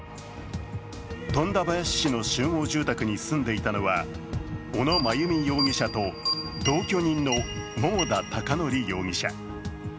富田林市の集合住宅に住んでいたのは小野真由美容疑者と同居人の桃田貴徳容疑者。